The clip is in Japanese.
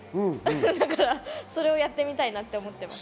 だから、それをやってみたいなと思っています。